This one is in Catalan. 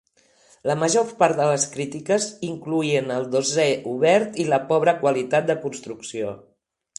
La major part de les crítiques incloïen el dosser obert i la pobra qualitat de construcció.